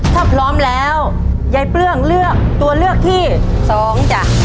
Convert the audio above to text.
ถ้าพร้อมแล้วยายเปลื้องเลือกตัวเลือกที่สองจ้ะ